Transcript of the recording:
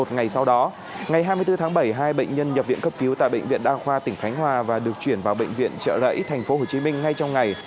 ngày hai mươi bốn tháng bảy hai bệnh nhân nhập viện cấp cứu tại bệnh viện đa khoa tỉnh khánh hòa và được chuyển vào bệnh viện trợ lẫy thành phố hồ chí minh ngay trong ngày